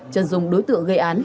chân dùng đối tượng gây án